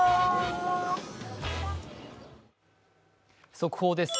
速報です。